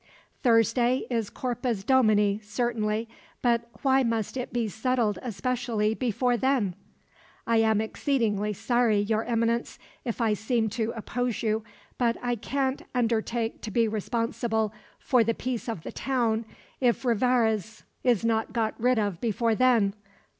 "Thursday is Corpus Domini, certainly; but why must it be settled especially before then?" "I am exceedingly sorry, Your Eminence, if I seem to oppose you, but I can't undertake to be responsible for the peace of the town if Rivarez is not got rid of before then.